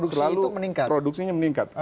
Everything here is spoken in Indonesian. selalu produksinya meningkat